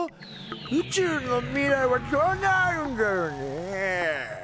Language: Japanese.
宇宙の未来はどうなるんだろうね？